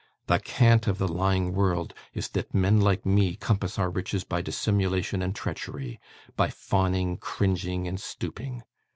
The cant of the lying world is, that men like me compass our riches by dissimulation and treachery: by fawning, cringing, and stooping.